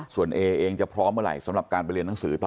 ส่วนเอเองจะพร้อมเมื่อไหร่สำหรับการไปเรียนหนังสือต่อ